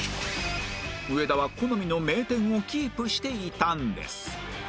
上田は好みの名店をキープしていたんです